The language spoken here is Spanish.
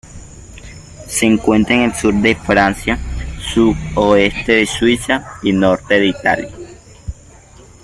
Se encuentra en el sur de Francia, sud-oeste de Suiza y norte de Italia.